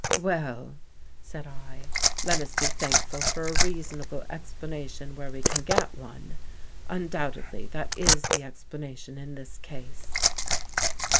" Well," said I, " let us be thankful for a reason able explanation where we can get one. Undoubt edly that is the explanation in this case."